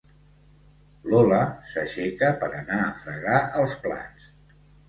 Lola s'aixeca per anar a fregar els plats.